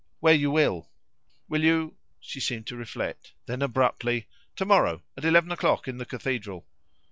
"Where you will." "Will you " She seemed to reflect; then abruptly, "To morrow at eleven o'clock in the cathedral."